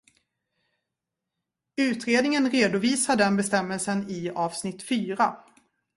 Utredningen redovisar den bestämmelsen i avsnitt fyra.